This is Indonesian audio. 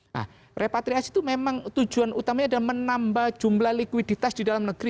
nah repatriasi itu memang tujuan utamanya adalah menambah jumlah likuiditas di dalam negeri